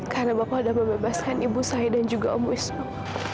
karena bapak sudah membebaskan ibu saya dan juga om wisnu